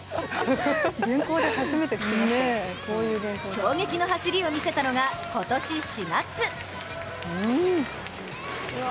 衝撃の走りをみせたのが、今年４月。